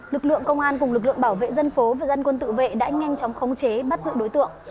lực lượng công an cùng lực lượng bảo vệ dân phố và dân quân tự vệ đã nhanh chóng khống chế bắt giữ đối tượng